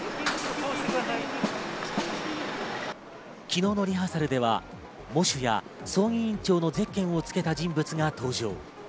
昨日のリハーサルでは喪主や葬儀委員長のゼッケンをつけた人物が登場。